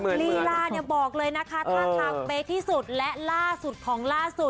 ลีลาเนี่ยบอกเลยนะคะท่าทางเป๊ะที่สุดและล่าสุดของล่าสุด